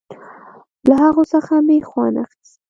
له هغو څخه مې خوند اخيست.